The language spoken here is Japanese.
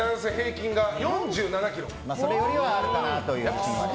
それよりはあるかなという。